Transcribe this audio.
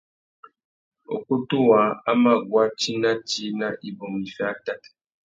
Ukutu waā a mà guá tsi nà tsi nà ibômô iffê atát.